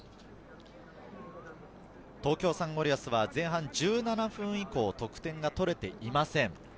東京サンゴリアスは前半１７分以降、得点が取れていません。